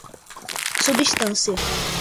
substância